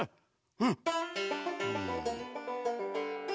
うん。